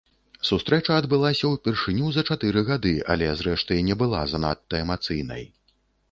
Сустрэча адбылася ўпершыню за чатыры гады, але, зрэшты, не была занадта эмацыйнай.